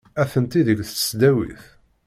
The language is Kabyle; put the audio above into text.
Atenti deg tesdawit.